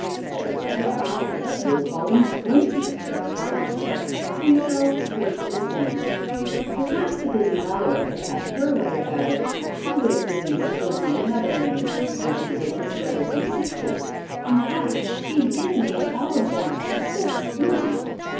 "Oh, I guess we'll call him Squinty," the farmer said; and so Squinty was named. Perhaps if his mother had had her way about it she would have given Squinty another name, as she did his brothers and sisters. In fact she did name all of them except Squinty.